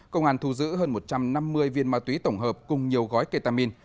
công an thu giữ hơn một trăm năm mươi viên ma túy tổng hợp cùng nhiều gói ketamin